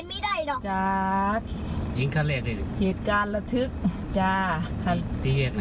ไม่ได้หรอกจากยังคันแรกเลยเหตุการณ์ระทึกจ้าคันที่แยกไหน